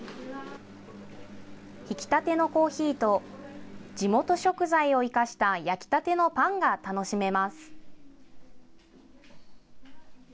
ひきたてのコーヒーと地元食材を生かした焼きたてのパンが楽しめます。